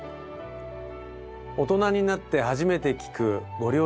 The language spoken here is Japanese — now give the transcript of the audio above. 大人になって初めて聞くご両親のご苦労。